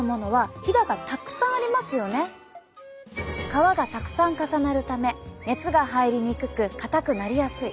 皮がたくさん重なるため熱が入りにくく硬くなりやすい。